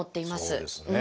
そうですね。